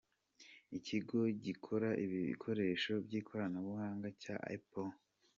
Ikigo gikora ibikoresho by’ikoranabuhanga cya Apple Inc.